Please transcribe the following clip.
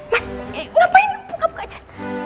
mas ngapain buka buka aja